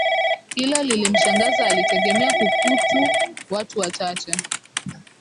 Hilo lilimshangaza alitegemea kukutu watu wachache